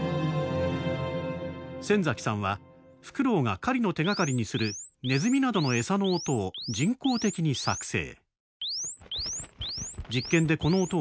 先崎さんはフクロウが狩りの手がかりにするネズミなどのエサの音を人工的に作成。